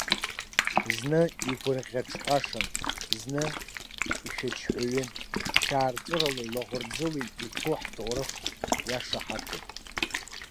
Зны игәырӷьаҿҳәашан, зны ишәаџьҳәаҩын, шьаарҵәыралеи лаӷырӡылеи иҭәу ҳҭоурых иашаҳаҭуп!